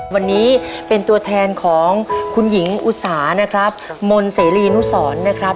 วันนี้เป็นตัวแทนของคุณหญิงอุตสานะครับมนต์เสรีนุสรนะครับ